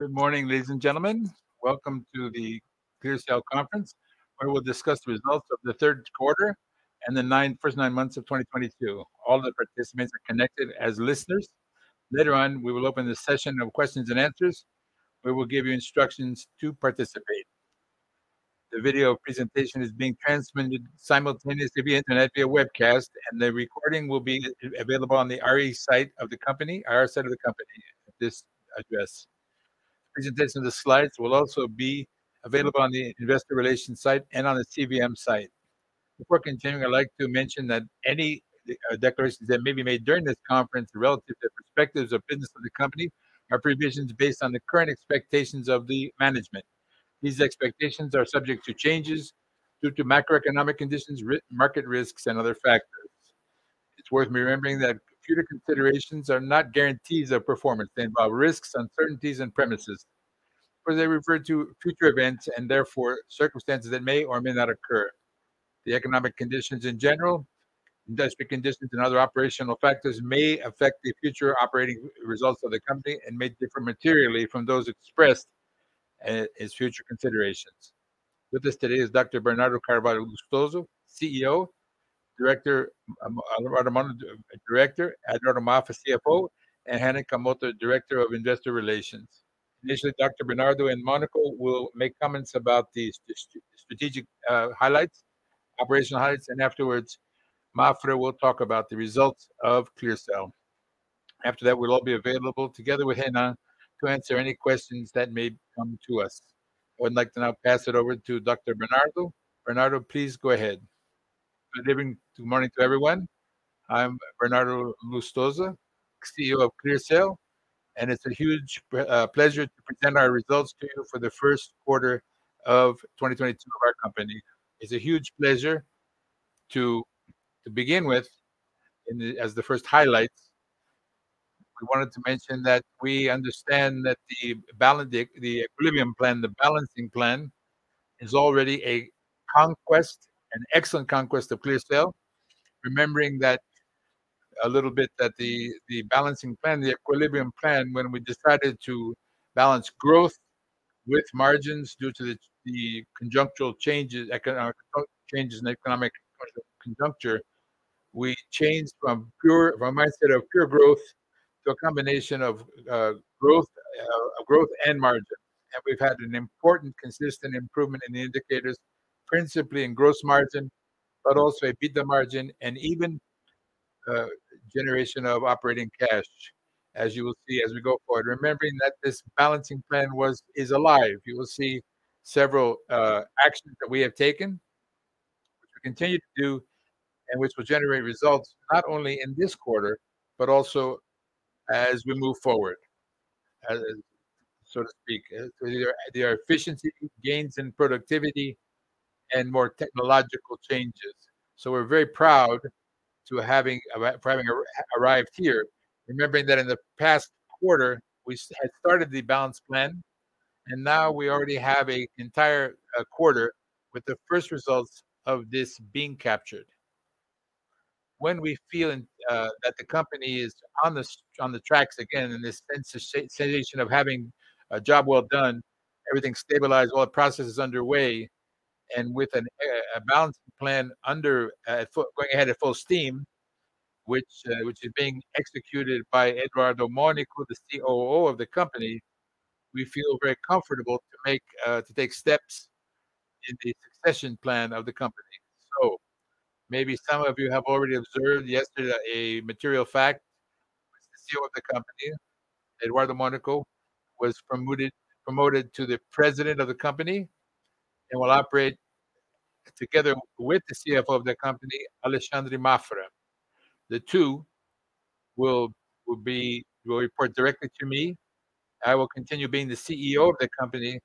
Good morning, ladies and gentlemen. Welcome to the ClearSale conference, where we'll discuss the results of the third quarter and the first nine months of 2022. All the participants are connected as listeners. Later on, we will open the session of questions and answers, where we'll give you instructions to participate. The video presentation is being transmitted simultaneously via internet via webcast, and the recording will be available on the IR site of the company at this address. Presentation of the slides will also be available on the investor relations site and on the CVM site. Before continuing, I'd like to mention that any declarations that may be made during this conference relative to prospects of business of the company are projections based on the current expectations of the management. These expectations are subject to changes due to macroeconomic conditions, regulatory market risks, and other factors. It's worth remembering that future considerations are not guarantees of performance. They involve risks, uncertainties, and premises, for they refer to future events and therefore circumstances that may or may not occur. The economic conditions in general, industrial conditions, and other operational factors may affect the future operating results of the company and may differ materially from those expressed as future considerations. With us today is Dr. Bernardo Carvalho Lustosa, CEO, Director, Eduardo Mônaco, Director, Alexandre Mafra, CFO, and Renan Ikemoto, Director of Investor Relations. Initially, Dr. Bernardo and Mônaco will make comments about the strategic highlights, operational highlights, and afterwards, Mafra will talk about the results of ClearSale. After that, we'll all be available together with Renan to answer any questions that may come to us. I would like to now pass it over to Dr. Bernardo. Bernardo, please go ahead. Good evening, good morning to everyone. I'm Bernardo Lustosa, CEO of ClearSale, and it's a huge pleasure to present our results to you for the first quarter of 2022 of our company. It's a huge pleasure to begin with as the first highlights, we wanted to mention that we understand that the balancing plan, the equilibrium plan, is already a conquest, an excellent conquest of ClearSale. Remembering that a little bit that the balancing plan, the equilibrium plan, when we decided to balance growth with margins due to the conjunctural changes, economic changes in economic conjuncture, we changed from a mindset of pure growth to a combination of growth and margin. And we've had an important consistent improvement in the indicators, principally in gross margin, but also EBITDA margin and even generation of operating cash, as you will see as we go forward. Remembering that this balancing plan is alive. You will see several actions that we have taken, which we continue to do and which will generate results not only in this quarter, but also as we move forward, so to speak. There are efficiency gains in productivity and more technological changes. So we're very proud for having arrived here, remembering that in the past quarter, we had started the balance plan, and now we already have an entire quarter with the first results of this being captured. When we feel that the company is on the tracks again and the sense of sensation of having a job well done, everything's stabilized, all the processes underway, and with a balancing plan underfoot going ahead at full steam, which is being executed by Eduardo Mônaco, the COO of the company, we feel very comfortable to take steps in the succession plan of the company. Maybe some of you have already observed yesterday a material fact with the CEO of the company, Eduardo Mônaco, was promoted to the President of the company and will operate together with the CFO of the company, Alexandre Mafra. The two will report directly to me. I will continue being the CEO of the company,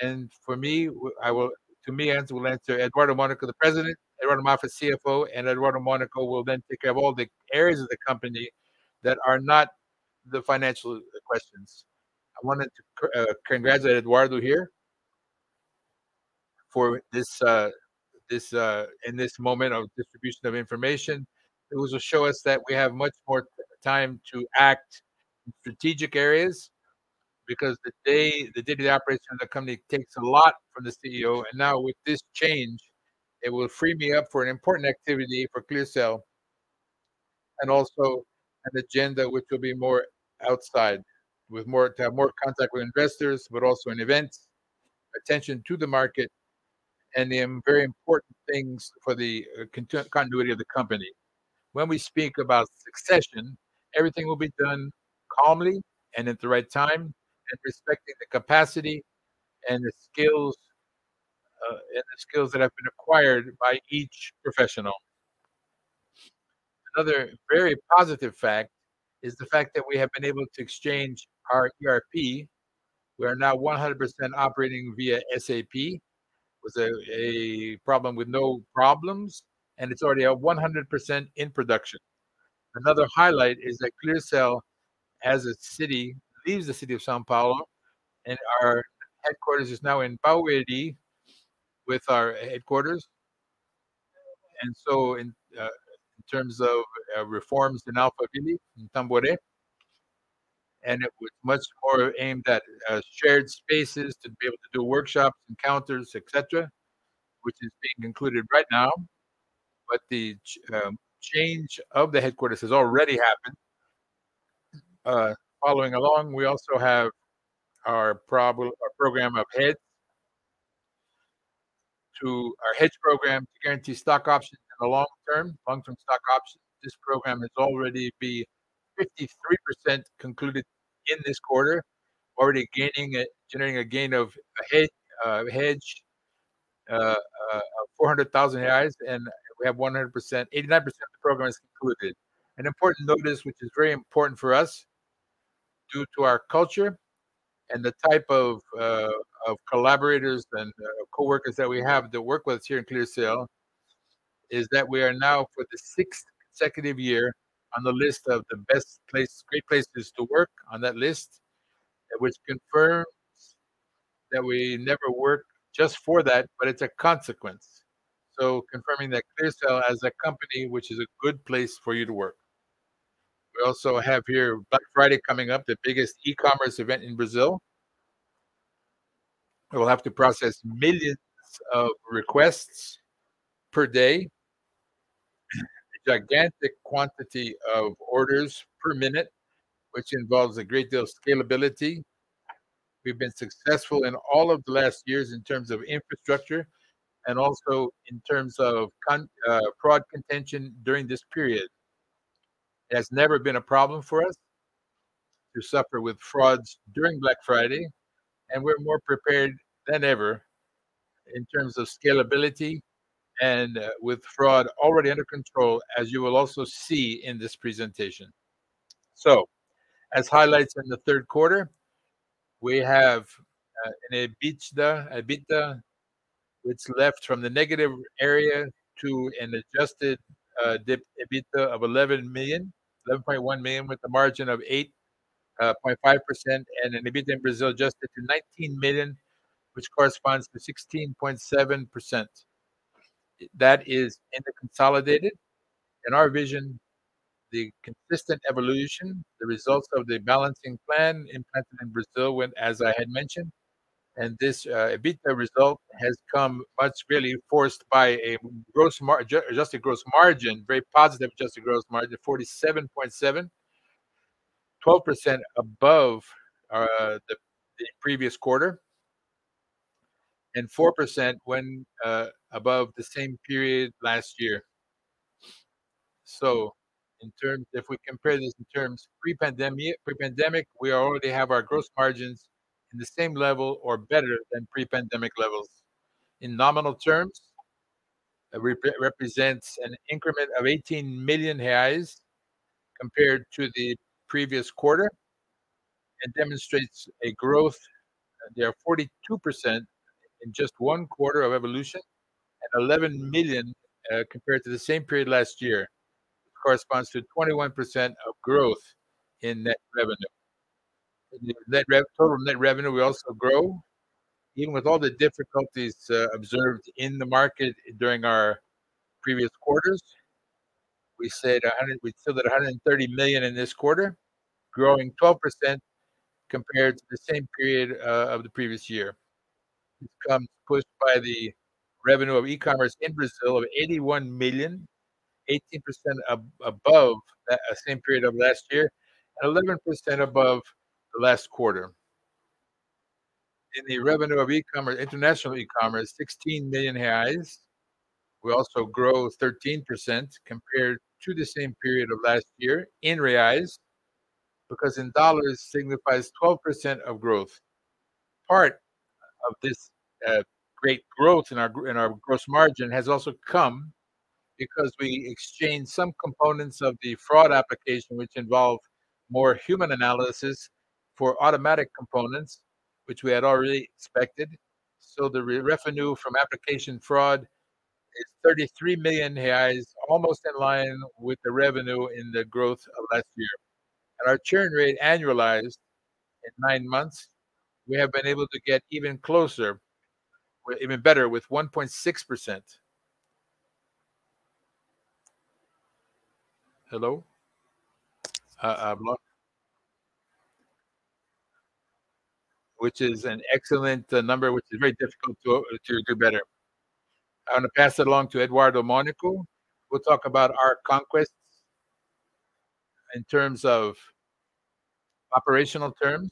and for me, to me answers will answer Eduardo Mônaco, the President, Alexandre Mafra, CFO, and Eduardo Mônaco will then take care of all the areas of the company that are not the financial questions. I wanted to congratulate Eduardo here for this in this moment of distribution of information. It will show us that we have much more time to act in strategic areas because the day-to-day operations of the company takes a lot from the CEO, and now with this change, it will free me up for an important activity for ClearSale and also an agenda which will be more outside to have more contact with investors, but also in events, attention to the market, and the very important things for the continuity of the company. When we speak about succession, everything will be done calmly and at the right time and respecting the capacity and the skills that have been acquired by each professional. Another very positive fact is that we have been able to exchange our ERP. We are now 100% operating via SAP without any problems, and it's already at 100% in production. Another highlight is that ClearSale leaves the city of São Paulo, and our headquarters is now in Barueri. In terms of reforms in Alphaville, in Tamboré, it was much more aimed at shared spaces to be able to do workshops, encounters, et cetera, which is being included right now. The change of the headquarters has already happened. Following along, we also have our hedge program to guarantee stock options in the long term, long-term stock options. This program has already been 53% concluded in this quarter, already generating a gain of a hedge of 400,000 reais, and 89% of the program is concluded. An important notice which is very important for us due to our culture and the type of collaborators and coworkers that we have to work with here in ClearSale is that we are now for the sixth consecutive year on the list of Great Place to Work, which confirms that we never work just for that, but it's a consequence. Confirming that ClearSale, as a company, which is a Great Place to Work. We also have here Black Friday coming up, the biggest e-commerce event in Brazil. We'll have to process millions of requests per day, a gigantic quantity of orders per minute, which involves a great deal of scalability. We've been successful in all of the last years in terms of infrastructure and also in terms of fraud contention during this period. It has never been a problem for us to suffer with frauds during Black Friday, and we're more prepared than ever in terms of scalability and with fraud already under control, as you will also see in this presentation. So as highlights in the third quarter, we have an EBITDA which left from the negative area to an adjusted EBITDA of 11.1 million, with a margin of 8.5% and an adjusted EBITDA in Brazil of 19 million, which corresponds to 16.7%. That is the consolidated. In our vision, the consistent evolution of the results of the balancing plan implemented in Brazil as I had mentioned, and this EBITDA result has come much more from a very positive adjusted gross margin, 47.7%, 12% above the previous quarter and 4% above the same period last year. So if we compare this in terms pre-pandemic, we already have our gross margins in the same level or better than pre-pandemic levels. In nominal terms, it represents an increment of 18 million reais compared to the previous quarter and demonstrates a growth of 42% in just one quarter of evolution and 11 million compared to the same period last year. Corresponds to 21% growth in net revenue. In the total net revenue, we also grow. Even with all the difficulties observed in the market during our previous quarters, we had 130 million in this quarter, growing 12% compared to the same period of the previous year. It's grown pushed by the revenue of e-commerce in Brazil of 81 million, 18% above that same period of last year, and 11% above the last quarter. In the revenue of international e-commerce, 16 million reais. We also grow 13% compared to the same period of last year in reais, because in dollars it signifies 12% growth. Part of this great growth in our gross margin has also come because we exchanged some components of fraud application which involve more human analysis for automatic components which we had already expected. The revenue from Application Fraud is 33 million reais, almost in line with the revenue in the growth of last year. Our churn rate annualized in nine months, we have been able to get even closer or even better with 1.6%. Which is an excellent number, which is very difficult to do better. I'm gonna pass it along to Eduardo Mônaco, who'll talk about our conquests in terms of operational terms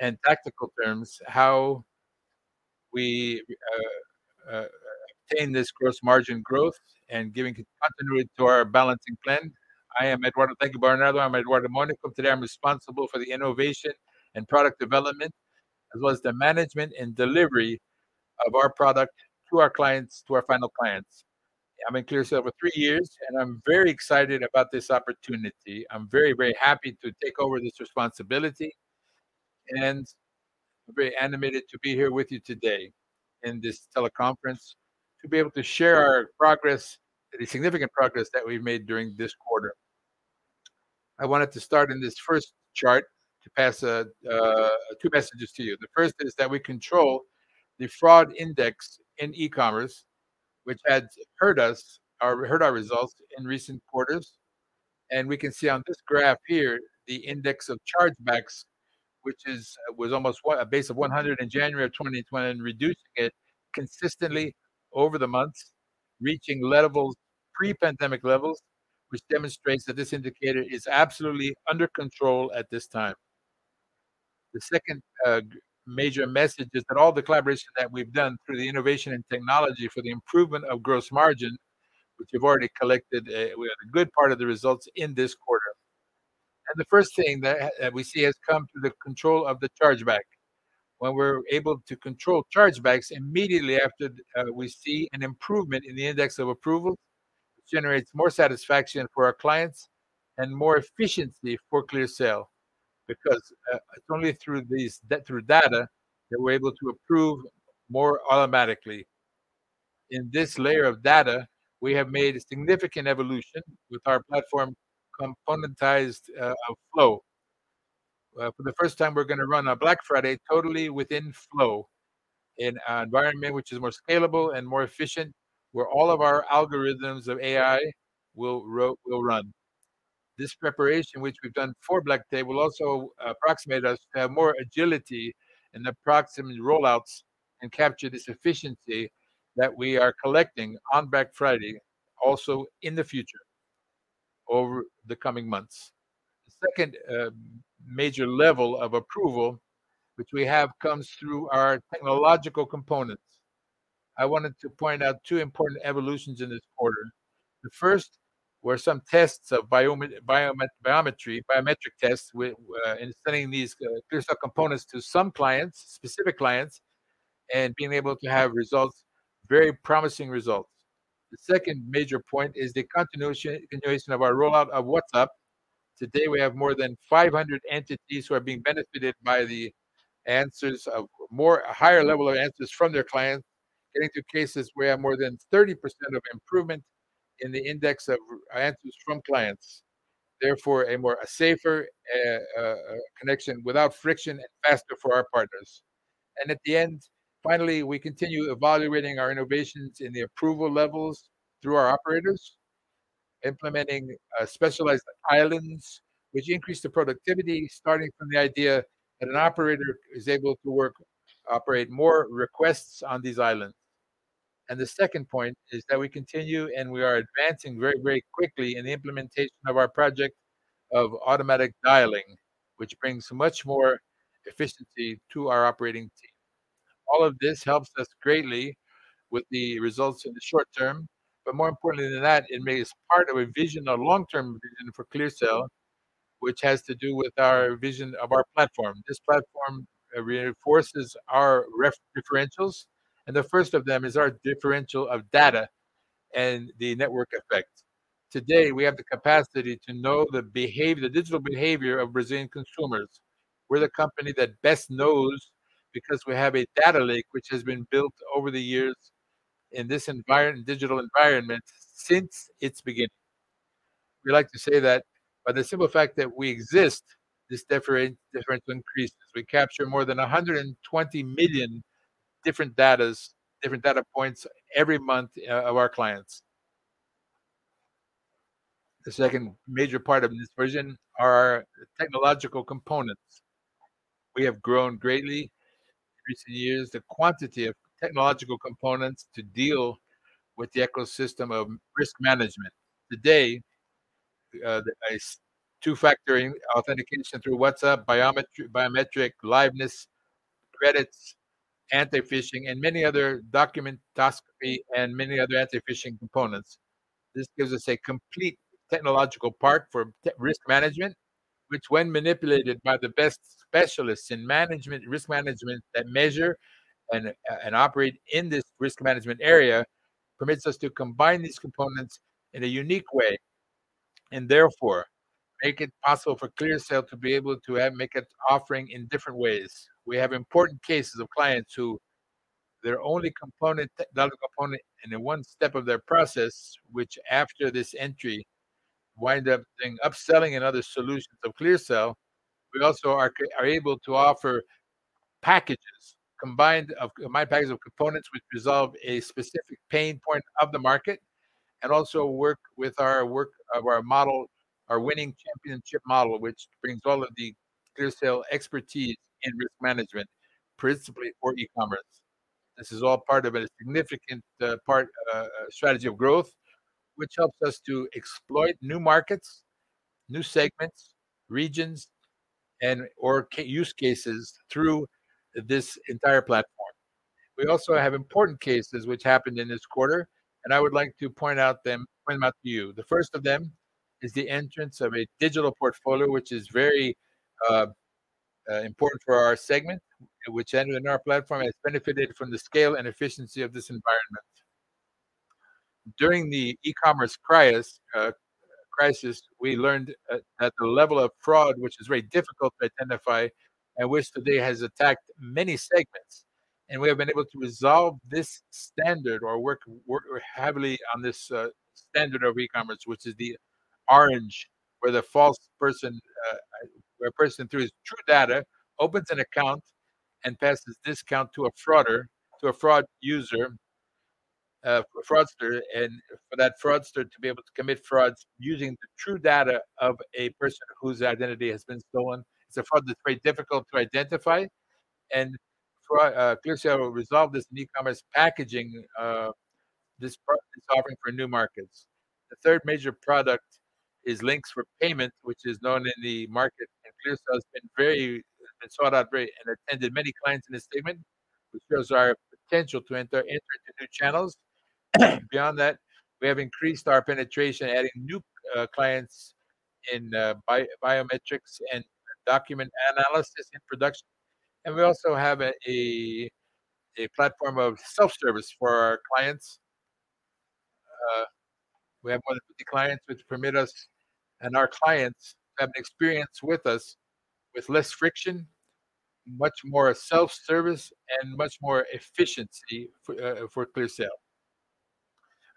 and tactical terms, how we obtain this gross margin growth and giving continuity to our balancing plan. I am Eduardo. Thank you, Bernardo. I'm Eduardo Mônaco. Today, I'm responsible for the innovation and product development, as well as the management and delivery of our product to our clients, to our final clients. I'm in ClearSale for three years, and I'm very excited about this opportunity. I'm very, very happy to take over this responsibility, and I'm very animated to be here with you today in this teleconference to be able to share our progress, the significant progress that we've made during this quarter. I wanted to start in this first chart to pass two messages to you. The first is that we control the fraud index in e-commerce, which has hurt us or hurt our results in recent quarters. We can see on this graph here, the index of chargebacks, which was almost what? A base of 100 in January of 2020 and reducing it consistently over the months, reaching pre-pandemic levels, which demonstrates that this indicator is absolutely under control at this time. The second major message is that all the collaboration that we've done through the innovation and technology for the improvement of gross margin, which you've already collected with a good part of the results in this quarter. The first thing that we see has come through the control of the chargeback. When we're able to control chargebacks, immediately after, we see an improvement in the index of approval, which generates more satisfaction for our clients and more efficiency for ClearSale. Because, it's only through data that we're able to approve more automatically. In this layer of data, we have made a significant evolution with our platform componentized, of Flow. For the first time, we're gonna run a Black Friday totally within Flow in an environment which is more scalable and more efficient, where all of our algorithms of AI will run. This preparation, which we've done for Black Friday, will also approximate us to have more agility in approximate rollouts and capture this efficiency that we are collecting on Black Friday, also in the future over the coming months. The second, major level of approval which we have comes through our technological components. I wanted to point out two important evolutions in this quarter. The first were some tests of biometric tests in sending these ClearSale components to some clients, specific clients, and being able to have results, very promising results. The second major point is the continuation of our rollout of WhatsApp. Today, we have more than 500 entities who are being benefited by the answers of a higher level of answers from their clients, getting to cases where more than 30% of improvement in the index of answers from clients. Therefore, a safer connection without friction and faster for our partners. At the end, finally, we continue evaluating our innovations in the approval levels through our operators, implementing specialized islands which increase the productivity, starting from the idea that an operator is able to operate more requests on these islands. The second point is that we continue, and we are advancing very, very quickly in the implementation of our project of automatic dialing, which brings much more efficiency to our operating team. All of this helps us greatly with the results in the short term, but more importantly than that, it makes part of a vision, a long-term vision for ClearSale, which has to do with our vision of our platform. This platform reinforces our differentials, and the first of them is our differential of data and the network effect. Today, we have the capacity to know the digital behavior of Brazilian consumers. We're the company that best knows because we have a data lake which has been built over the years in this digital environment since its beginning. We like to say that by the simple fact that we exist, this difference increases. We capture more than 120 million different data points every month of our clients. The second major part of this vision are technological components. We have grown greatly in recent years the quantity of technological components to deal with the ecosystem of risk management. Today, two-factor authentication through WhatsApp, biometric liveness, credits, anti-phishing, and many other documentoscopy and anti-phishing components. This gives us a complete technological part for risk management, which when manipulated by the best specialists in risk management that measure and operate in this risk management area, permits us to combine these components in a unique way, and therefore make it possible for ClearSale to be able to make its offering in different ways. We have important cases of clients whose only component, technical component in the one-stop of their process, which after this entry wind up doing upselling and other solutions of ClearSale. We also are able to offer packages of components which resolve a specific pain point of the market and also work with our model, our winning championship model, which brings all of the ClearSale expertise in risk management, principally for e-commerce. This is all part of a significant strategy of growth, which helps us to exploit new markets, new segments, regions, and/or use cases through this entire platform. We also have important cases which happened in this quarter, and I would like to point them out to you. The first of them is the entrance of a digital portfolio, which is very important for our segment, which entering our platform has benefited from the scale and efficiency of this environment. During the e-commerce crisis, we learned at the level of fraud, which is very difficult to identify and which today has attacked many segments. We have been able to resolve this standard or work heavily on this standard of e-commerce, which is the laranja, where a person through his true data opens an account and passes this account to a frauder, to a fraud user, a fraudster. For that fraudster to be able to commit frauds using the true data of a person whose identity has been stolen, it's a fraud that's very difficult to identify. ClearSale resolved this in e-commerce packaging, this product is offering for new markets. The third major product is links for payment, which is known in the market, and ClearSale has been very sought out and attended many clients in this segment, which shows our potential to enter into new channels. Beyond that, we have increased our penetration, adding new clients in biometrics and document analysis in production. We also have a platform of self-service for our clients. We have more than 50 clients which permit us and our clients to have an experience with us with less friction, much more self-service, and much more efficiency for ClearSale.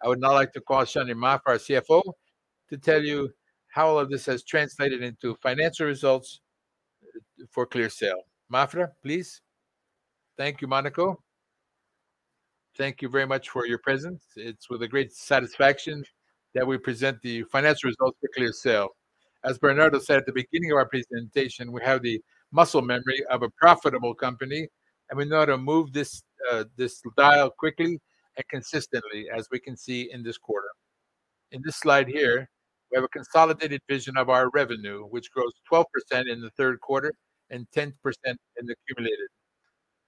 I would now like to call Alexandre Mafra, our CFO, to tell you how all of this has translated into financial results for ClearSale. Mafra, please. Thank you, Mônaco. Thank you very much for your presence. It's with great satisfaction that we present the financial results for ClearSale. As Bernardo said at the beginning of our presentation, we have the muscle memory of a profitable company, and we know how to move this dial quickly and consistently, as we can see in this quarter. In this slide here, we have a consolidated vision of our revenue, which grows 12% in the third quarter and 10% in the cumulative.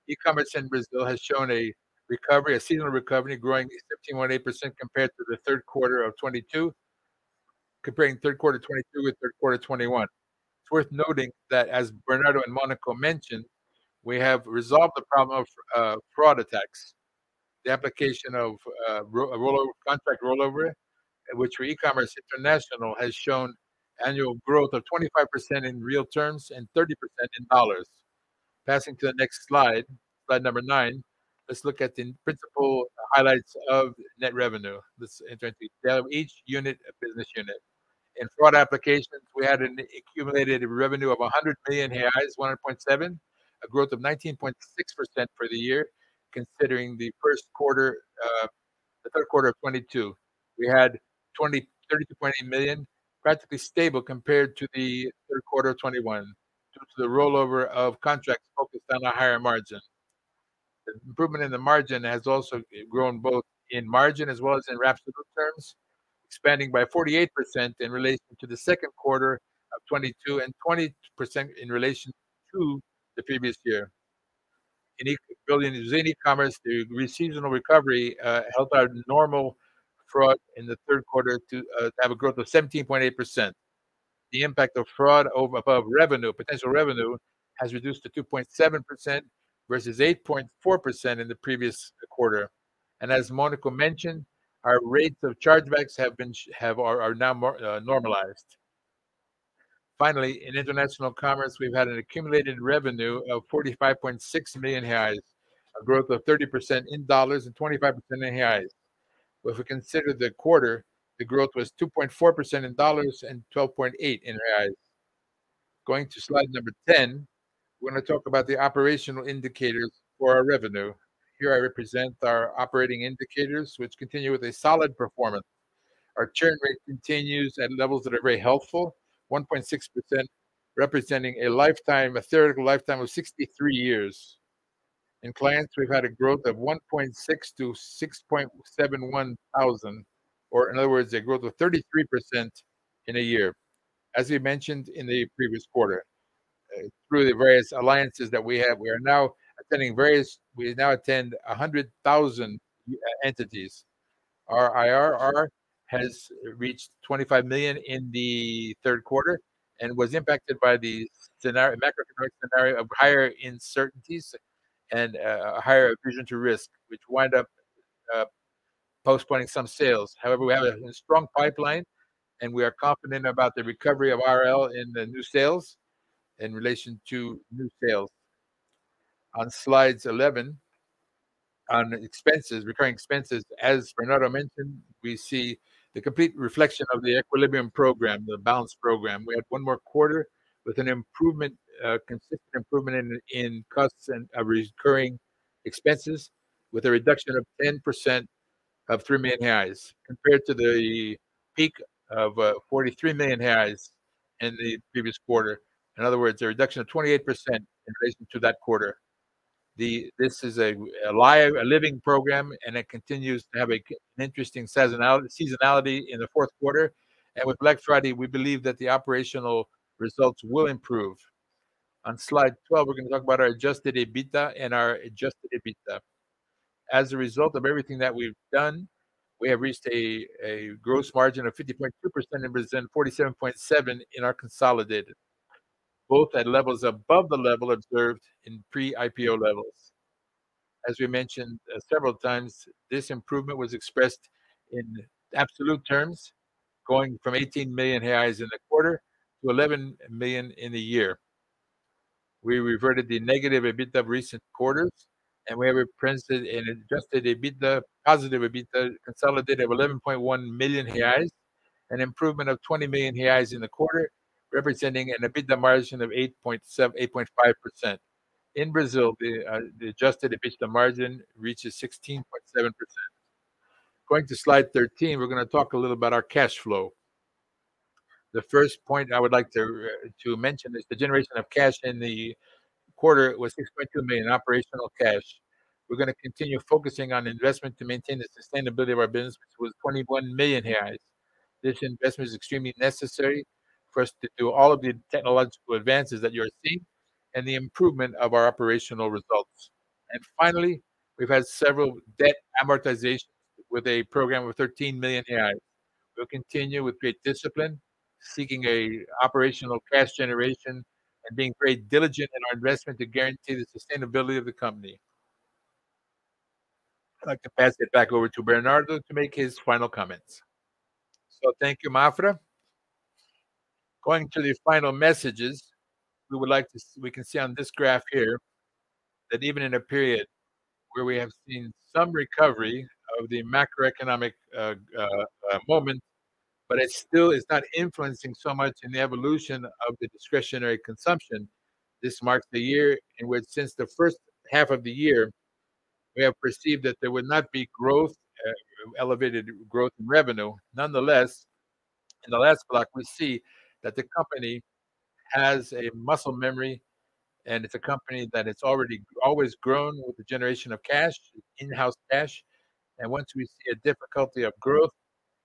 E-commerce in Brazil has shown a recovery, a seasonal recovery, growing 15.8% comparing third quarter 2022 with third quarter 2021. It's worth noting that, as Bernardo and Mônaco mentioned, we have resolved the problem of fraud attacks. The application of rollover, contract rollover, which for e-commerce international has shown annual growth of 25% in reais terms and 30% in dollars. Passing to the next slide number nine, let's look at the principal highlights of net revenue. Let's enter each unit, business unit. In Application Fraud, we had an accumulated revenue of 100 million reais, a growth of 19.6% for the year, considering the first quarter, the third quarter of 2022. We had 32.8 million, practically stable compared to the third quarter of 2021, due to the rollover of contracts focused on a higher margin. The improvement in the margin has also grown both in margin as well as in absolute terms, expanding by 48% in relation to the second quarter of 2022 and 20% in relation to the previous year. In Brazilian e-commerce. The seasonal recovery helped our online fraud in the third quarter to have a growth of 17.8%. The impact of fraud above revenue potential has reduced to 2.7% versus 8.4% in the previous quarter. As Mônaco mentioned, our rates of chargebacks are now normalized. Finally, in international commerce, we've had an accumulated revenue of 45.6 million reais, a growth of 30% in dollars and 25% in reais. If we consider the quarter, the growth was 2.4% in dollars and 12.8% in reais. Going to slide number 10, we're going to talk about the operational indicators for our revenue. Here I represent our operating indicators, which continue with a solid performance. Our churn rate continues at levels that are very helpful, 1.6% representing a lifetime, a theoretical lifetime of 63 years. In clients, we've had a growth of 16,000 to 67,100, or in other words, a growth of 33% in a year. As we mentioned in the previous quarter, through the various alliances that we have, we now attend 100,000 unique entities. Our ARR has reached 25 million in the third quarter and was impacted by the scenario, macroeconomic scenario of higher uncertainties and higher aversion to risk, which wind up postponing some sales. However, we have a strong pipeline, and we are confident about the recovery of ARR in the new sales, in relation to new sales. On slide 11, on expenses, recurring expenses, as Bernardo mentioned, we see the complete reflection of the equilibrium program, the balance program. We had one more quarter with an improvement, consistent improvement in costs and recurring expenses, with a reduction of 10% of 3 million reais compared to the peak of 43 million reais in the previous quarter. In other words, a reduction of 28% in relation to that quarter. This is a live, living program, and it continues to have an interesting seasonality in the fourth quarter. With Black Friday, we believe that the operational results will improve. On slide 12, we're gonna talk about our adjusted EBITDA. As a result of everything that we've done, we have reached a gross margin of 50.2% in Brazil and 47.7% in our consolidated, both at levels above the level observed in pre-IPO levels. As we mentioned several times, this improvement was expressed in absolute terms. Going from 18 million reais in the quarter to 11 million in the year. We reverted the negative EBITDA of recent quarters, and we have represented an adjusted EBITDA, positive EBITDA consolidated of 11.1 million reais, an improvement of 20 million reais in the quarter, representing an EBITDA margin of 8.5%. In Brazil, the adjusted EBITDA margin reaches 16.7%. Going to slide 13, we're gonna talk a little about our cash flow. The first point I would like to mention is the generation of cash in the quarter was 6.2 million operational cash. We're gonna continue focusing on investment to maintain the sustainability of our business, which was 21 million. This investment is extremely necessary for us to do all of the technological advances that you're seeing and the improvement of our operational results. Finally, we've had several debt amortizations with a program of 13 million. We'll continue with great discipline, seeking a operational cash generation and being very diligent in our investment to guarantee the sustainability of the company. I'd like to pass it back over to Bernardo to make his final comments. Thank you, Mafra. Going to the final messages, we can see on this graph here that even in a period where we have seen some recovery of the macroeconomic moment, but it still is not influencing so much in the evolution of the discretionary consumption. This marks the year in which since the first half of the year, we have perceived that there would not be growth, elevated growth in revenue. Nonetheless, in the last block, we see that the company has a muscle memory, and it's a company that always grown with the generation of cash, in-house cash. Once we see a difficulty of growth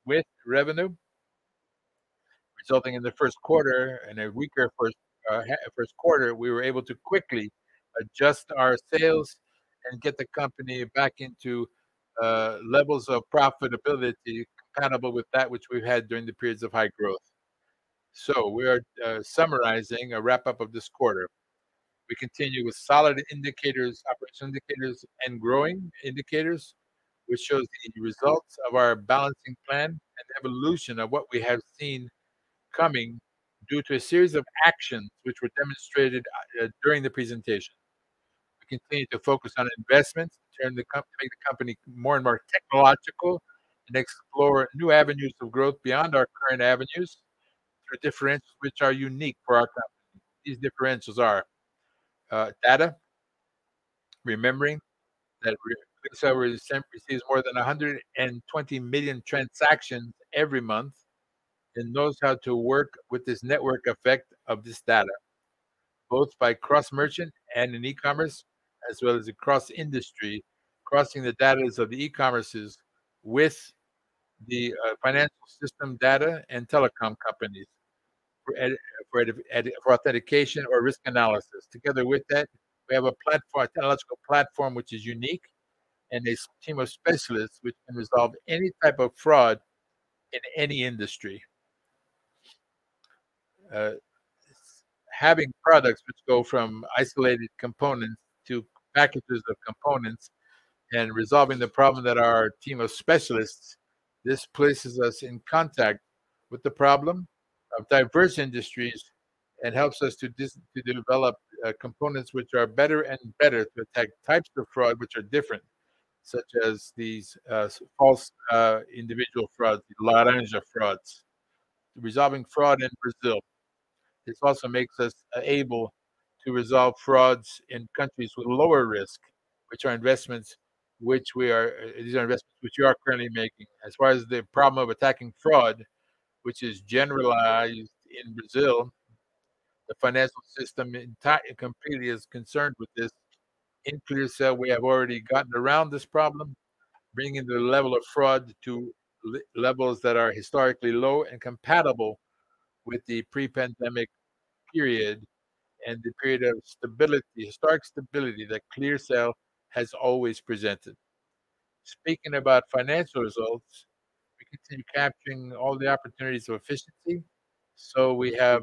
with revenue, resulting in the first quarter and a weaker first quarter, we were able to quickly adjust our sales and get the company back into levels of profitability comparable with that which we've had during the periods of high growth. We are summarizing a wrap-up of this quarter. We continue with solid indicators, opportunity indicators and growing indicators, which shows the results of our balancing plan and evolution of what we have seen coming due to a series of actions which were demonstrated during the presentation. We continue to focus on investments to make the company more and more technological and explore new avenues of growth beyond our current avenues through differentials which are unique for our company. These differentials are data. Remembering that ClearSale receives more than 120 million transactions every month and knows how to work with this network effect of this data, both by cross-merchant and in e-commerce, as well as across industry, crossing the data of the e-commerces with the financial system data and telecom companies for authentication or risk analysis. Together with that, we have a technological platform which is unique and a team of specialists which can resolve any type of fraud in any industry. Having products which go from isolated components to packages of components and resolving the problem that our team of specialists, this places us in contact with the problem of diverse industries and helps us to develop components which are better and better to attack types of fraud which are different, such as these, false individual fraud, the laranja frauds. Resolving fraud in Brazil, this also makes us able to resolve frauds in countries with lower risk, these are investments which we are currently making. As far as the problem of attacking fraud, which is generalized in Brazil, the financial system completely is concerned with this. In ClearSale, we have already gotten around this problem, bringing the level of fraud to levels that are historically low and compatible with the pre-pandemic period and the period of stability, historic stability that ClearSale has always presented. Speaking about financial results, we continue capturing all the opportunities of efficiency. We have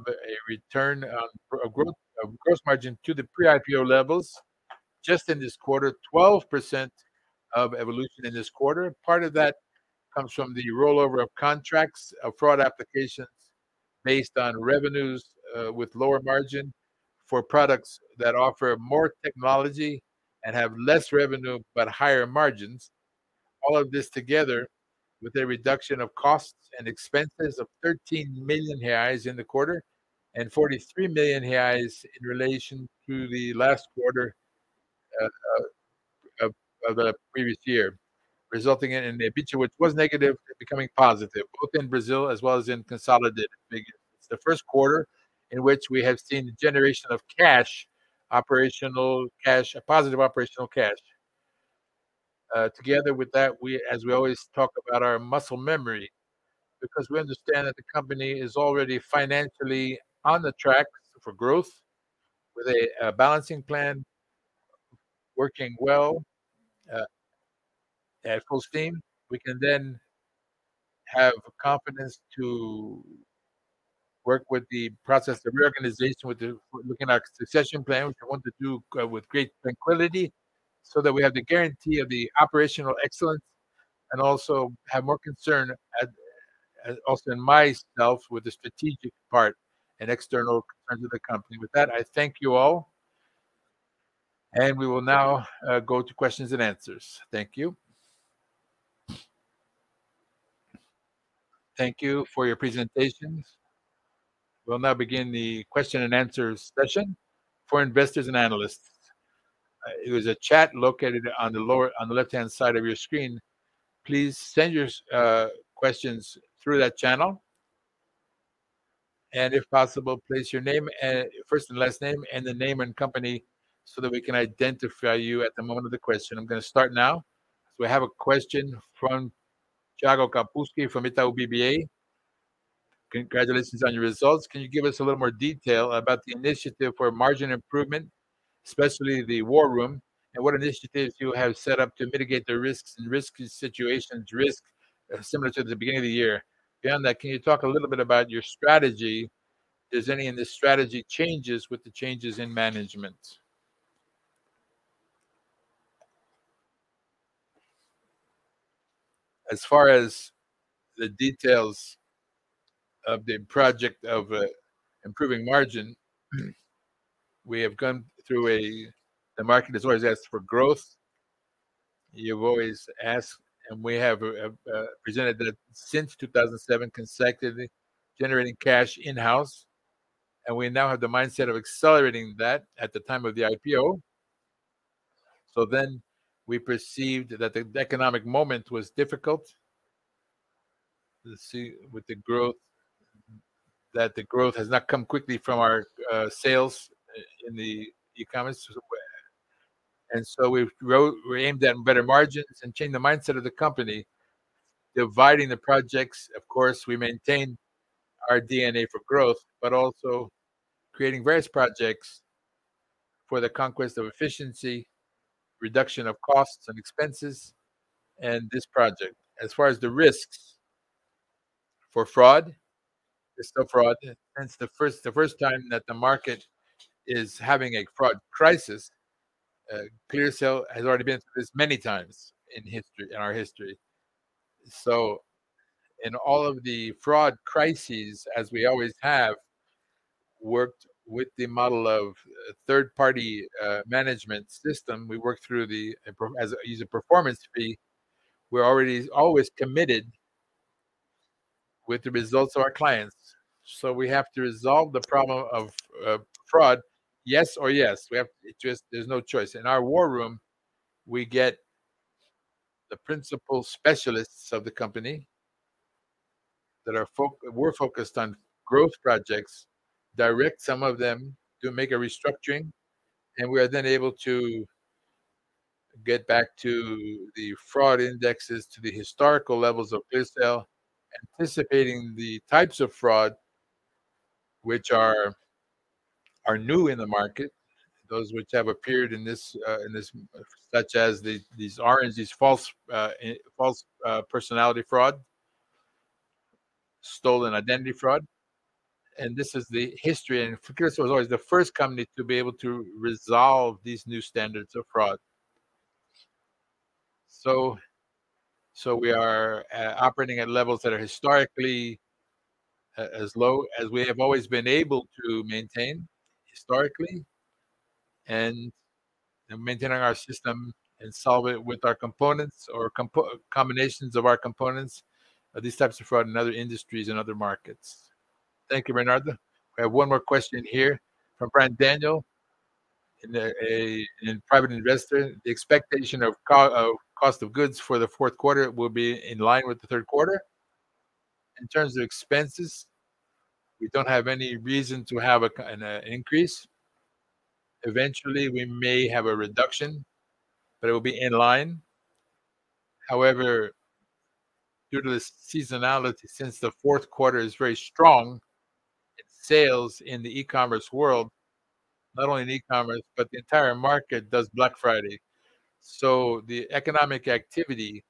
a gross margin to the pre-IPO levels just in this quarter, 12% of evolution in this quarter. Part of that comes from the rollover of contracts of fraud applications based on revenues, with lower margin for products that offer more technology and have less revenue but higher margins. All of this together with a reduction of costs and expenses of 13 million reais in the quarter and 43 million reais in relation to the last quarter of the previous year, resulting in an EBITDA which was negative becoming positive, both in Brazil as well as in consolidated figures. It's the first quarter in which we have seen the generation of cash, operational cash, a positive operational cash. Together with that, we, as we always talk about our muscle memory, because we understand that the company is already financially on the track for growth with a balancing plan working well at full steam. We can then have confidence to work with the process of reorganization, looking at succession plan, which I want to do with great tranquility so that we have the guarantee of the operational excellence, and also have more concern also in myself with the strategic part and external concerns of the company. With that, I thank you all, and we will now go to questions and answers. Thank you. Thank you for your presentations. We'll now begin the question and answer session for investors and analysts. It was a chat located on the left-hand side of your screen. Please send your questions through that channel. If possible, place your name and first and last name and the name and company so that we can identify you at the moment of the question. I'm gonna start now. I have a question from Thiago Kapulskis from Itaú BBA. Congratulations on your results. Can you give us a little more detail about the initiative for margin improvement, especially the war room, and what initiatives you have set up to mitigate the risks and risky situations, risk similar to the beginning of the year? Beyond that, can you talk a little bit about your strategy? Is any of the strategy changes with the changes in management? As far as the details of the project of improving margin, The market has always asked for growth. You've always asked, and we have presented that since 2007 consecutively, generating cash in-house, and we now have the mindset of accelerating that at the time of the IPO. We perceived that the economic moment was difficult. Let's see, with the growth that the growth has not come quickly from our sales in the e-commerce. We've aimed at better margins and change the mindset of the company, dividing the projects. Of course, we maintain our DNA for growth, but also creating various projects for the conquest of efficiency, reduction of costs and expenses in this project. As far as the risks for fraud, there's no fraud. Since the first time that the market is having a fraud crisis, ClearSale has already been through this many times in history in our history. In all of the fraud crises, as we always have, worked with the model of a third-party management system. We work through the, as a user performance fee. We're already always committed with the results of our clients. We have to resolve the problem of fraud yes or yes. We have. It just there's no choice. In our war room, we get the principal specialists of the company that were focused on growth projects, direct some of them to make a restructuring, and we are then able to get back to the fraud indexes to the historical levels of ClearSale, anticipating the types of fraud which are new in the market, those which have appeared in this, such as these are, these false personality fraud, stolen identity fraud. This is the history, and ClearSale was always the first company to be able to resolve these new standards of fraud. We are operating at levels that are historically as low as we have always been able to maintain historically and maintaining our system and solve it with our components or combinations of our components of these types of fraud in other industries and other markets. Thank you, Bernardo. We have one more question here from Brian Daniel, private investor. The expectation of cost of goods for the fourth quarter will be in line with the third quarter? In terms of expenses, we don't have any reason to have an increase. Eventually, we may have a reduction, but it will be in line. However, due to the seasonality, since the fourth quarter is very strong, its sales in the e-commerce world, not only in e-commerce, but the entire market does Black Friday. The economic activity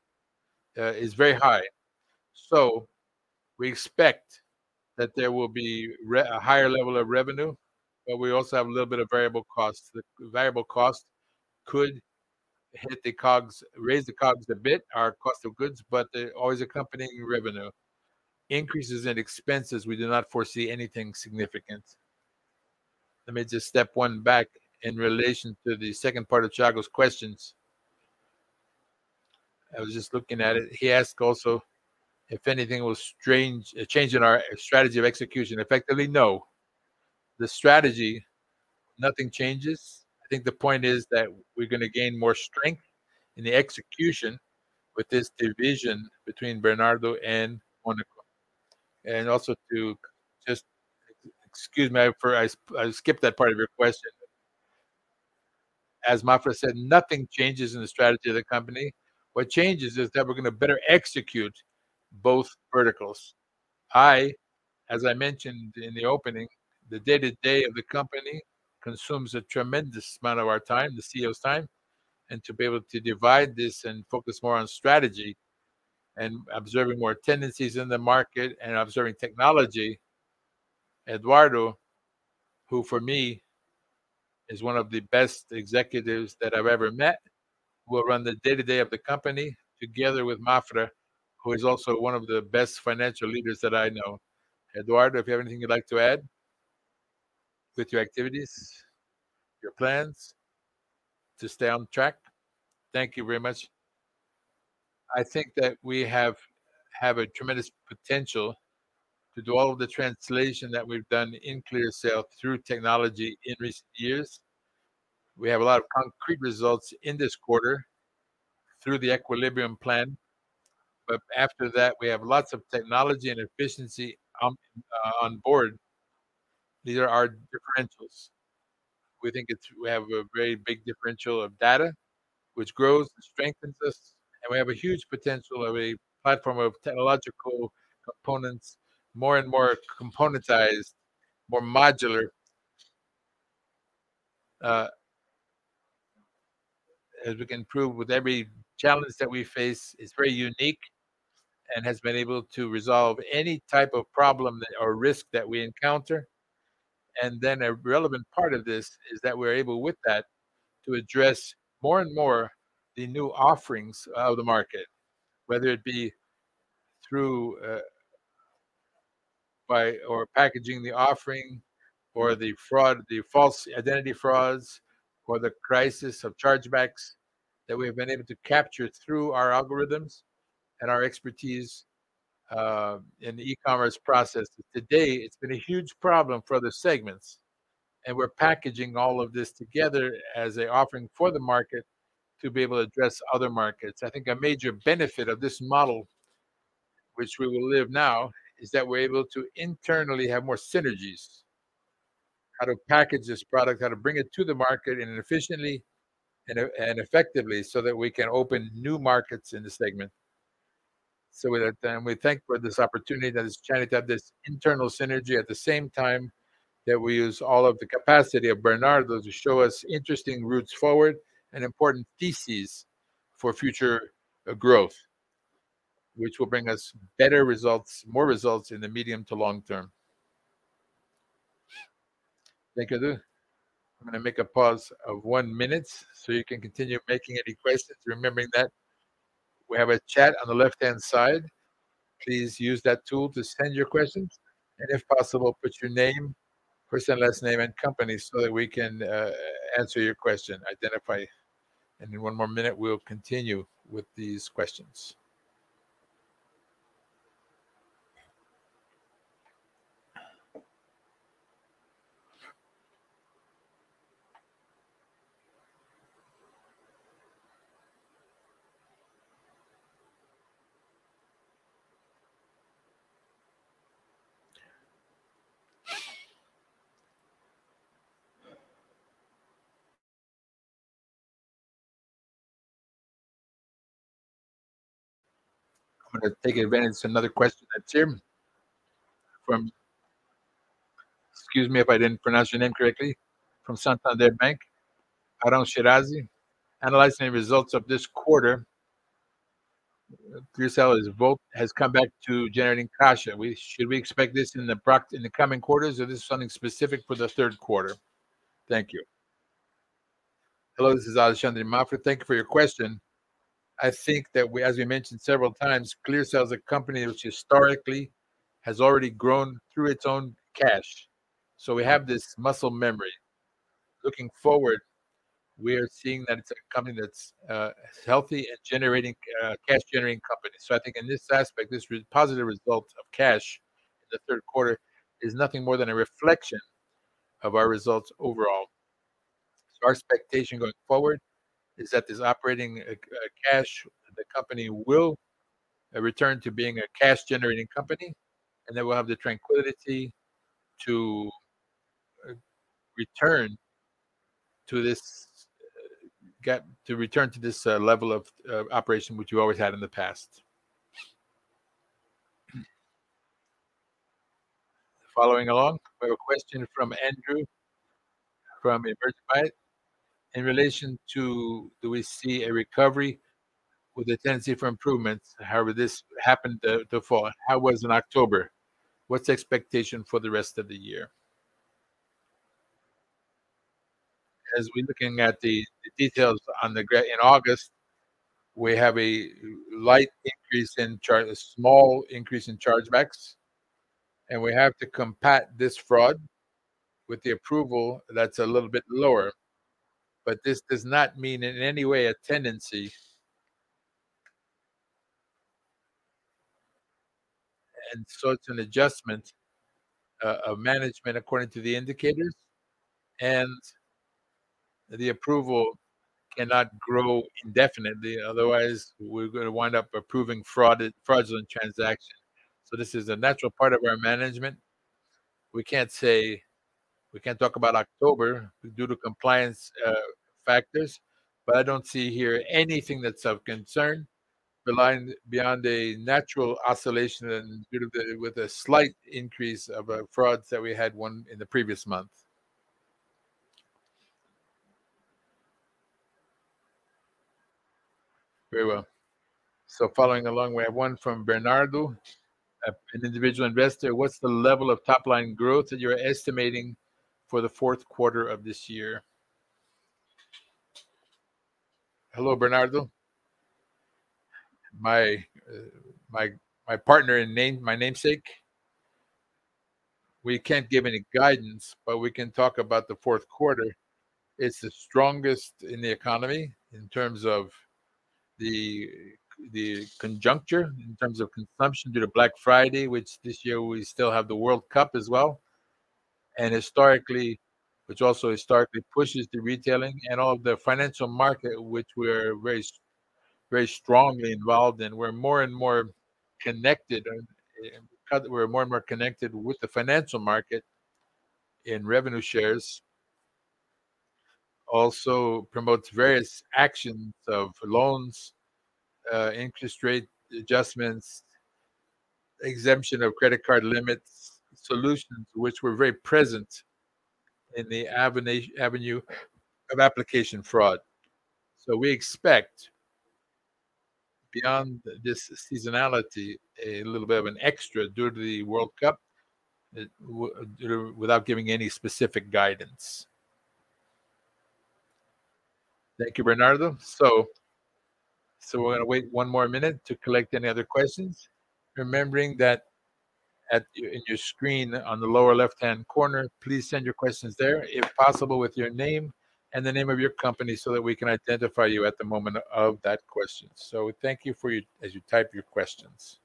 is very high. We expect that there will be a higher level of revenue, but we also have a little bit of variable costs. The variable cost could hit the COGS, raise the COGS a bit, our cost of goods, but they're always accompanying revenue. Increases in expenses, we do not foresee anything significant. Let me just step one back in relation to the second part of Thiago's questions. I was just looking at it. He asked also if anything will change in our strategy of execution. Effectively, no. The strategy, nothing changes. I think the point is that we're gonna gain more strength in the execution with this division between Bernardo and Mônaco. Excuse me, I skipped that part of your question. As Mafra said, nothing changes in the strategy of the company. What changes is that we're gonna better execute both verticals. It, as I mentioned in the opening, the day-to-day of the company consumes a tremendous amount of our time, the CEO's time. To be able to divide this and focus more on strategy and observing more tendencies in the market and observing technology. Eduardo, who for me is one of the best executives that I've ever met, will run the day-to-day of the company together with Mafra, who is also one of the best financial leaders that I know. Eduardo, if you have anything you'd like to add with your activities, your plans to stay on track? Thank you very much. I think that we have a tremendous potential to do all of the translation that we've done in ClearSale through technology in recent years. We have a lot of concrete results in this quarter through the equilibrium plan. After that, we have lots of technology and efficiency on board. These are our differentials. We think we have a very big differential of data which grows and strengthens us, and we have a huge potential of a platform of technological components, more and more componentized, more modular. As we can prove with every challenge that we face, it's very unique and has been able to resolve any type of problem or risk that we encounter. A relevant part of this is that we're able with that to address more and more the new offerings of the market, whether it be through by or packaging the offering or the fraud, the false identity frauds or the crisis of chargebacks that we have been able to capture through our algorithms and our expertise in the e-commerce process. Today, it's been a huge problem for other segments, and we're packaging all of this together as an offering for the market to be able to address other markets. I think a major benefit of this model which we will live now is that we're able to internally have more synergies, how to package this product, how to bring it to the market in an efficient and effectively so that we can open new markets in the segment. With that, then we thank for this opportunity that is trying to have this internal synergy at the same time that we use all of the capacity of Bernardo to show us interesting routes forward and important theses for future growth, which will bring us better results, more results in the medium to long term. Thank you. I'm gonna make a pause of one minute, so you can continue making any questions. Remembering that we have a chat on the left-hand side. Please use that tool to send your questions, and if possible, put your name, first and last name and company so that we can answer your question, identify. In one more minute, we'll continue with these questions. I'm gonna take advantage of another question that's here from. Excuse me if I didn't pronounce your name correctly. From Santander Bank, Arnon Shirazi. Analyzing results of this quarter, ClearSale has come back to generating cash. Should we expect this in the coming quarters, or this is something specific for the third quarter? Thank you. Hello, this is Alexandre Mafra. Thank you for your question. I think that we, as we mentioned several times, ClearSale is a company which historically has already grown through its own cash. We have this muscle memory. Looking forward, we are seeing that it's a company that's healthy and generating cash-generating company. I think in this aspect, this positive result of cash in the third quarter is nothing more than a reflection of our results overall. Our expectation going forward is that this operating cash, the company will return to being a cash-generating company, and then we'll have the tranquility to return to this level of operation which we've always had in the past. Following along, we have a question from Andrew from Diversified. In relation to do we see a recovery with the tendency for improvements, however this happened the fall. How was in October? What's the expectation for the rest of the year? As we're looking at In August, we have a slight increase in chargebacks, and we have to compare this fraud with the approval that's a little bit lower. This does not mean in any way a tendency. It's an adjustment of management according to the indicators. The approval cannot grow indefinitely. Otherwise, we're gonna wind up approving fraudulent transactions. This is a natural part of our management. We can't talk about October due to compliance factors, but I don't see here anything that's of concern beyond a natural oscillation and with a slight increase of frauds that we had in the previous month. Very well. Following along, we have one from Bernardo, an individual investor. What's the level of top-line growth that you're estimating for the fourth quarter of this year? Hello, Bernardo. My partner and namesake. We can't give any guidance, but we can talk about the fourth quarter. It's the strongest in the economy in terms of the conjuncture, in terms of consumption due to Black Friday, which this year we still have the World Cup as well. Historically, which also historically pushes the retailing and all the financial market which we're very strongly involved in. We're more and more connected with the financial market in revenue shares. It also promotes various actions of loans, interest rate adjustments, extension of credit card limits, solutions which were very present in the environment of Application Fraud. We expect beyond this seasonality, a little bit of an extra due to the World Cup without giving any specific guidance. Thank you, Bernardo. We're gonna wait one more minute to collect any other questions. Remembering that in your screen on the lower left-hand corner, please send your questions there, if possible, with your name and the name of your company so that we can identify you at the moment of that question. Thank you for your as you type your questions.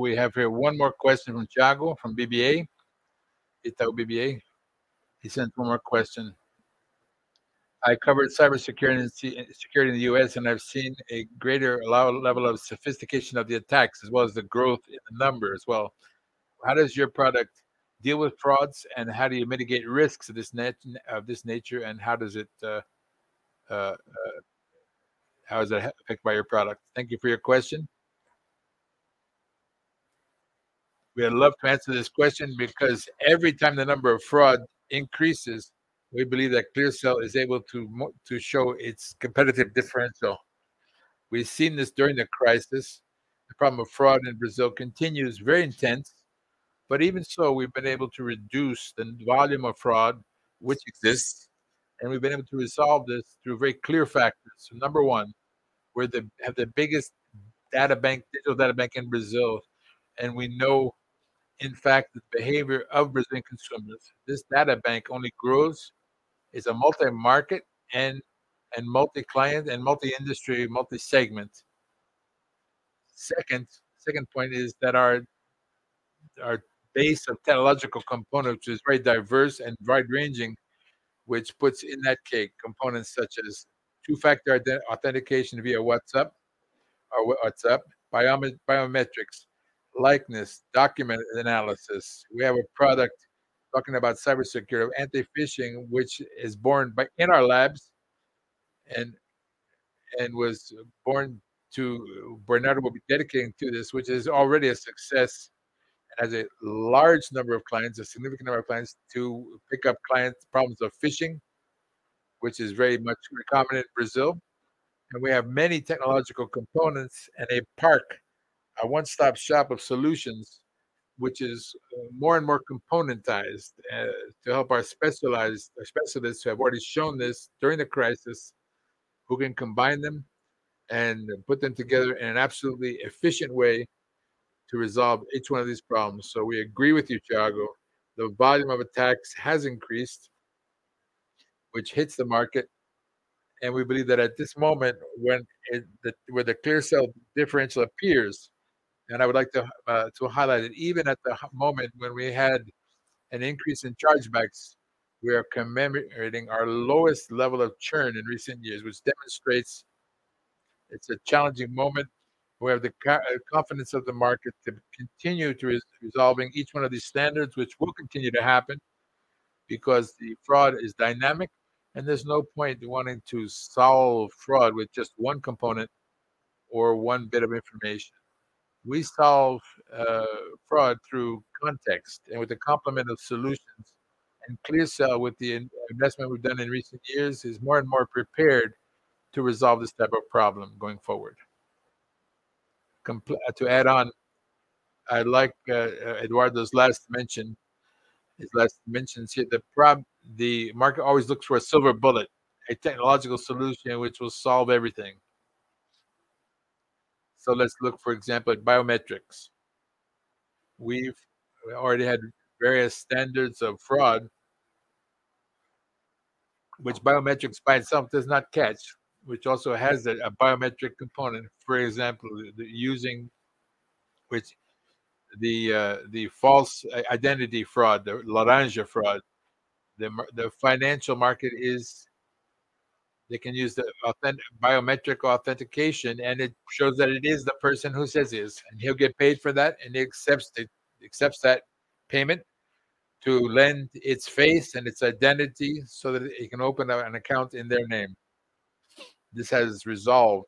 We have here one more question from Thiago Kapulskis from Itaú BBA. Itaú BBA. He sent one more question. I covered cybersecurity in security in the U.S., and I've seen a greater level of sophistication of the attacks as well as the growth in the numbers. Well, how does your product deal with frauds, and how do you mitigate risks of this nature, and how does it, how is it affected by your product? Thank you for your question. We'd love to answer this question because every time the number of fraud increases, we believe that ClearSale is able to show its competitive differential. We've seen this during the crisis. The problem of fraud in Brazil continues very intense. Even so, we've been able to reduce the volume of fraud which exists, and we've been able to resolve this through very clear factors. Number one, we have the biggest data bank, digital data bank in Brazil, and we know in fact the behavior of Brazilian consumers. This data bank only grows as a multi-market and multi-client, and multi-industry, multi-segment. Second point is that our base of technological component, which is very diverse and wide-ranging, which puts in that cake components such as two-factor authentication via WhatsApp, biometrics, liveness, document analysis. We have a product talking about cybersecurity, anti-phishing, which was born in our labs and Bernardo will be dedicating to this, which is already a success, has a large number of clients, a significant number of clients to pick up clients' problems of phishing, which is very much predominant in Brazil. We have many technological components and a park, a one-stop shop of solutions, which is more and more componentized, to help our specialists who have already shown this during the crisis, who can combine them and put them together in an absolutely efficient way to resolve each one of these problems. We agree with you, Thiago. The volume of attacks has increased, which hits the market, and we believe that at this moment where the ClearSale differential appears, and I would like to highlight it, even at the moment when we had an increase in chargebacks, we are commemorating our lowest level of churn in recent years, which demonstrates it's a challenging moment. We have the confidence of the market to continue resolving each one of these standards, which will continue to happen because the fraud is dynamic and there's no point wanting to solve fraud with just one component. Or one bit of information. We solve fraud through context and with a complement of solutions. ClearSale, with the investment we've done in recent years, is more and more prepared to resolve this type of problem going forward. To add on, I like Eduardo's last mention, his last mentions here. The market always looks for a silver bullet, a technological solution which will solve everything. Let's look, for example, at biometrics. We already had various standards of fraud which biometrics by itself does not catch, which also has a biometric component. For example, the false identity fraud, the laranja fraud, in the financial market they can use the authentic biometric authentication, and it shows that it is the person who says it is, and he'll get paid for that, and he accepts that payment to lend its face and its identity so that it can open up an account in their name. This has resolved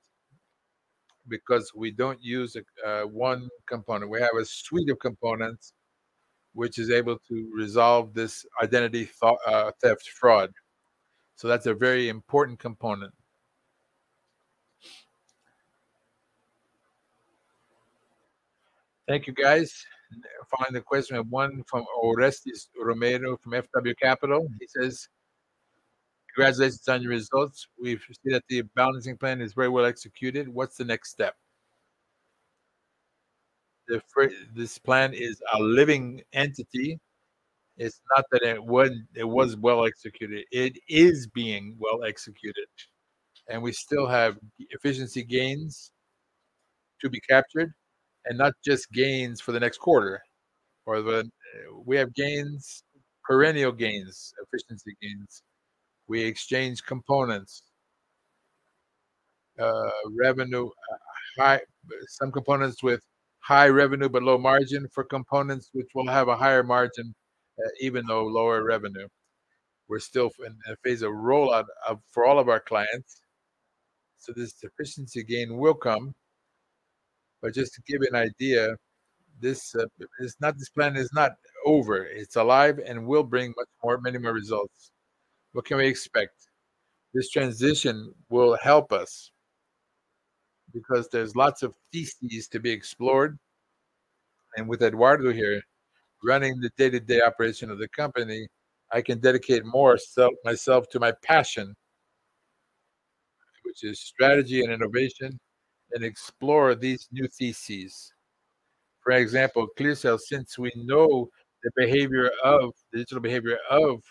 because we don't use a one component. We have a suite of components which is able to resolve this identity theft fraud. That's a very important component. Thank you, guys. Find a question, one from Orestes Romeiro from FW Capital. He says, "Congratulations on your results. We've seen that the balancing plan is very well executed. What's the next step?" This plan is a living entity. It's not that it wouldn't, it was well executed. It is being well executed. We still have efficiency gains to be captured, and not just gains for the next quarter or the. We have gains, perennial gains, efficiency gains. We exchange components. Some components with high revenue but low margin for components which will have a higher margin, even though lower revenue. We're still in a phase of rollout of, for all of our clients, so this efficiency gain will come. Just to give you an idea, this plan is not over. It's alive and will bring much more, many more results. What can we expect? This transition will help us because there's lots of theses to be explored. With Eduardo here running the day-to-day operation of the company, I can dedicate more myself to my passion, which is strategy and innovation, and explore these new theses. For example, ClearSale, since we know the behavior of digital behavior of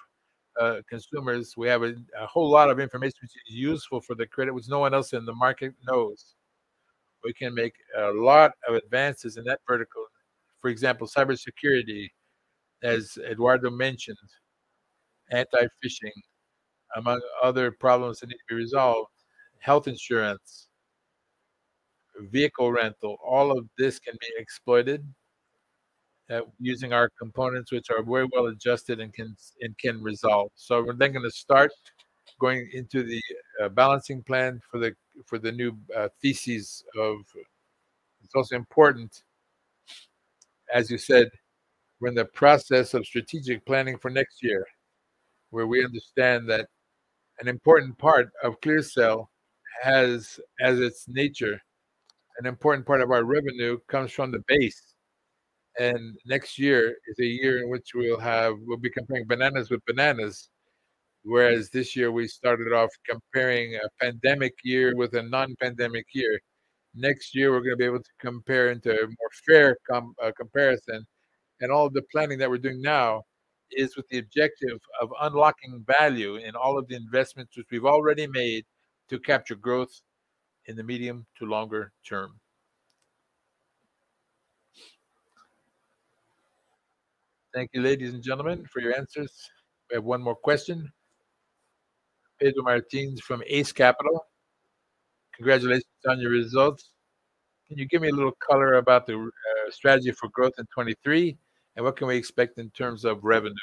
consumers, we have a whole lot of information which is useful for the credit, which no one else in the market knows. We can make a lot of advances in that vertical. For example, cybersecurity, as Eduardo mentioned, anti-phishing, among other problems that need to be resolved, health insurance, vehicle rental, all of this can be exploited using our components, which are very well adjusted and can resolve. We're gonna start going into the balancing plan for the new theses of. It's also important, as you said, we're in the process of strategic planning for next year, where we understand that an important part of ClearSale has, as its nature, an important part of our revenue comes from the base. Next year is a year in which we'll be comparing bananas with bananas, whereas this year we started off comparing a pandemic year with a non-pandemic year. Next year, we're gonna be able to compare into a more fair comparison. All the planning that we're doing now is with the objective of unlocking value in all of the investments which we've already made to capture growth in the medium to longer term. Thank you, ladies and gentlemen, for your answers. We have one more question. Pedro Martins from Ace Capital. "Congratulations on your results. Can you give me a little color about the strategy for growth in 2023, and what can we expect in terms of revenue?"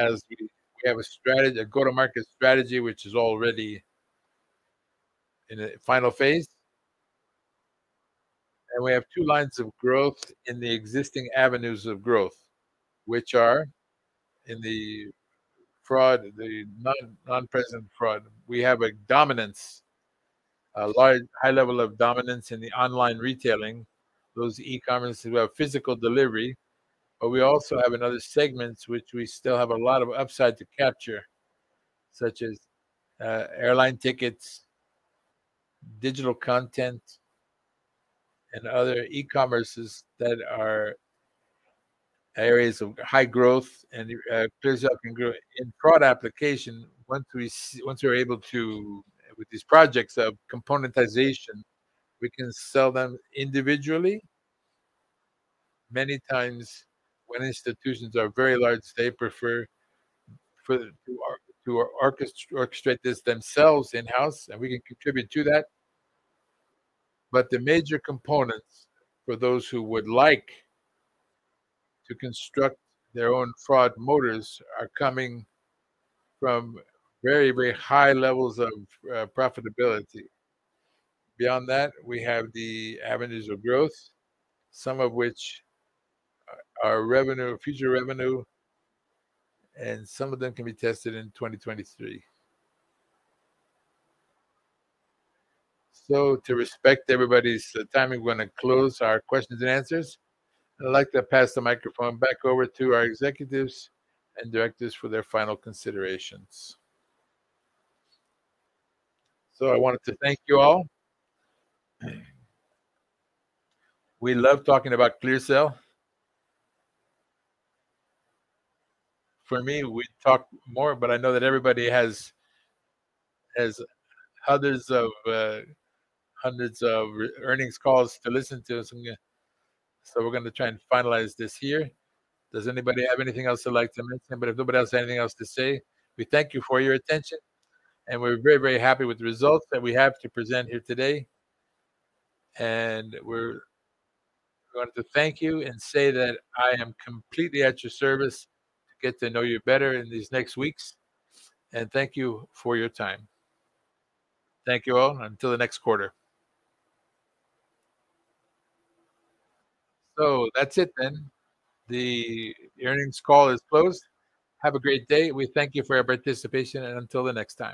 As we have a strategy, a go-to-market strategy which is already in the final phase. We have two lines of growth in the existing avenues of growth, which are in the fraud, the non-present fraud. We have a dominance, a large, high level of dominance in the online retailing, those e-commerces who have physical delivery. We also have in other segments which we still have a lot of upside to capture, such as airline tickets, digital content, and other e-commerces that are areas of high growth and ClearSale can grow. In Application Fraud, once we're able to, with these projects of componentization, we can sell them individually. Many times when institutions are very large, they prefer to orchestrate this themselves in-house, and we can contribute to that. The major components for those who would like to construct their own fraud models are coming from very, very high levels of profitability. Beyond that, we have the avenues of growth, some of which are ARR, future revenue, and some of them can be tested in 2023. To respect everybody's timing, we're gonna close our questions and answers. I'd like to pass the microphone back over to our executives and directors for their final considerations. I wanted to thank you all. We love talking about ClearSale. For me, we'd talk more, but I know that everybody has hundreds of other earnings calls to listen to. We're gonna try and finalize this here. Does anybody have anything else they'd like to mention? If nobody has anything else to say, we thank you for your attention, and we're very, very happy with the results that we have to present here today. We're going to thank you and say that I am completely at your service to get to know you better in these next weeks. Thank you for your time. Thank you all. Until the next quarter. That's it then. The earnings call is closed. Have a great day. We thank you for your participation, and until the next time.